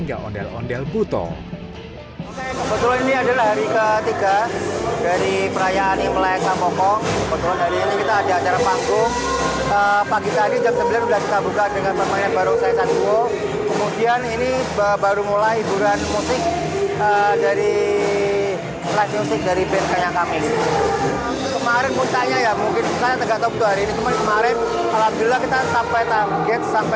tapi kemarin alhamdulillah kita sampai target sampai lima pengunjung